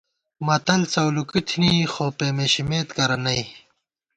متل څَؤلُوکی تھنی، خو پېمېشِمېت کرہ نئ